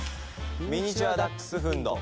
ミニチュア・ダックスフンド。